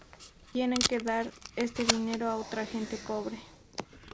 Tienen que dar este dinero a otra gente pobre.